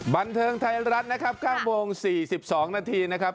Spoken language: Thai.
บันเทิงไทยรัฐนะครับ๙โมง๔๒นาทีนะครับ